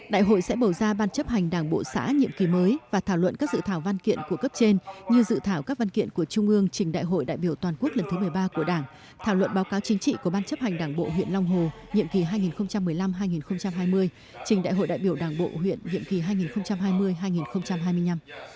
đại hội sẽ bầu ra ban chấp hành đảng bộ xã nhiệm kỳ mới và thảo luận các dự thảo văn kiện của cấp trên như dự thảo các văn kiện của trung ương trình đại hội đại biểu toàn quốc lần thứ một mươi ba của đảng thảo luận báo cáo chính trị của ban chấp hành đảng bộ huyện long hồ nhiệm kỳ hai nghìn một mươi năm hai nghìn hai mươi trình đại hội đại biểu đảng bộ huyện nhiệm kỳ hai nghìn hai mươi hai nghìn hai mươi năm